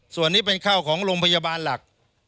ส่วนนี้เป็นเข้าของโรงพยาบาลหลัก